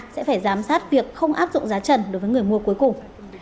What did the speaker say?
sẽ phải giám sát việc không áp dụng giá trần đối với người mua cuối cùng